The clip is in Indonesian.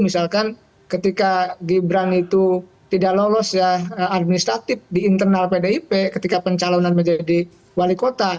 misalkan ketika gibran itu tidak lolos ya administratif di internal pdip ketika pencalonan menjadi wali kota